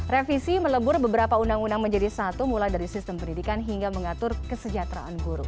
revisi melebur beberapa undang undang menjadi satu mulai dari sistem pendidikan hingga mengatur kesejahteraan guru